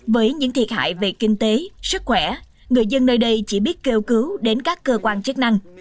với những thiệt hại về kinh tế sức khỏe người dân nơi đây chỉ biết kêu cứu đến các cơ quan chức năng